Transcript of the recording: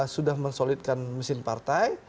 sudah mensolidkan mesin partai